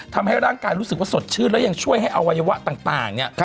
ทำให้ร่างกายรู้สึกว่าสดชื่นแล้วยังช่วยให้อวัยวะต่างเนี่ย